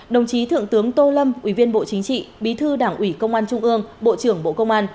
đồng chí thượng tướng tô lâm ủy viên bộ chính trị bí thư đảng ủy công an trung ương bộ trưởng bộ công an